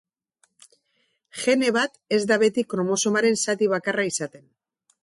Gene bat ez da beti kromosomaren zati bakarra izaten.